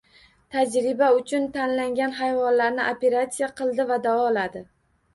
Tajriba uchun tanlangan hayvonlarni operatsiya qildi va davoladi